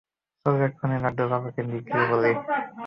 চল এক্ষুনি লাড্ডুর বাবাকে গিয়ে বলি।